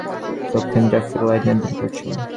দক্ষিণ traffic light নিয়ন্ত্রণ করছে।